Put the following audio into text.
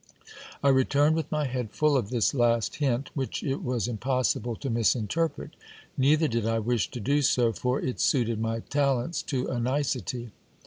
I returned with my head full of this last hint, which it was impossible to misinterpret. Neither did I wish to do so, for it suited my talents to a nicety.